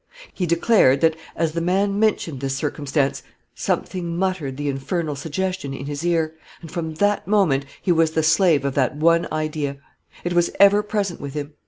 He declared that as the man mentioned this circumstance, something muttered the infernal suggestion in his ear, and from that moment he was the slave of that one idea; it was ever present with him.